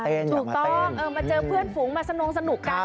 ถูกต้องมาเจอเพื่อนฝูงมาสนุกกัน